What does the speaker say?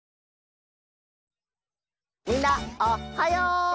みんなおっはよう！